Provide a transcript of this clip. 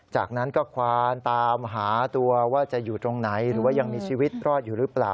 จากนั้นก็ควานตามหาตัวว่าจะอยู่ตรงไหนหรือว่ายังมีชีวิตรอดอยู่หรือเปล่า